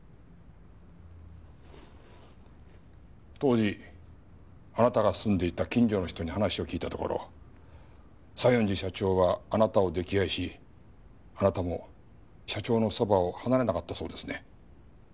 当時あなたが住んでいた近所の人に話を聞いたところ西園寺社長はあなたを溺愛しあなたも社長のそばを離れなかったそうですね。